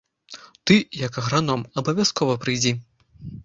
Ты, як аграном, абавязкова прыйдзі.